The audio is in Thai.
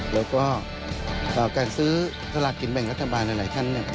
แล้วก็การซื้อสลากกินแบ่งรัฐบาลหลายท่าน